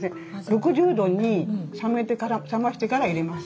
６０度に冷ましてから入れます。